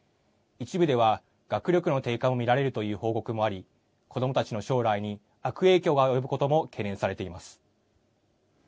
一部では学力の低下も見られるという報告もあり子どもたちの将来に悪影響が及ぶことも懸念されています。